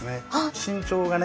身長がね